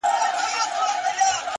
بدراتلونکی دې مستانه حال کي کړې بدل؛